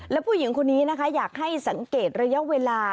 และผู้หญิงคนนี้นะคะอยากให้สังเกตระยะเวลา